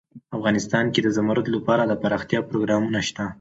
افغانستان کې د زمرد لپاره دپرمختیا پروګرامونه شته.